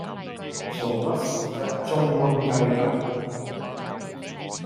做咩成隻舂瘟雞咁